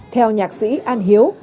theo nhạc sĩ an hiếu